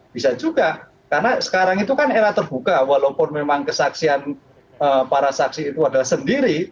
bisa juga karena sekarang itu kan era terbuka walaupun memang kesaksian para saksi itu adalah sendiri